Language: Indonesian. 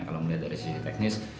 kalau melihat dari sisi teknis